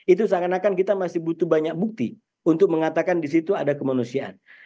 itu seakan akan kita masih butuh banyak bukti untuk mengatakan di situ ada kemanusiaan